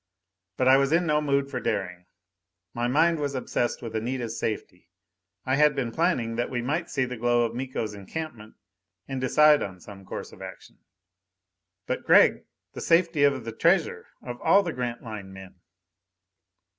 But I was in no mood for daring. My mind was obsessed with Anita's safety. I had been planning that we might see the glow of Miko's encampment and decide on some course of action. "But, Gregg, the safety of the treasure of all the Grantline men...."